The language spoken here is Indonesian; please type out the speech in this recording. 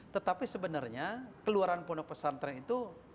tetapi sebenarnya keluaran pondok pesantren itu